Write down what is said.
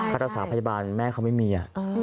ภัทรศาสตร์พจบาลแม่เขาไม่มี